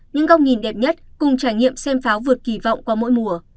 những góc nhìn đẹp nhất cùng trải nghiệm xem pháo vượt kỳ vọng qua mỗi mùa